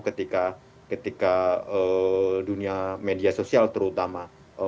berikan contoh ketika dunia media sosial terutama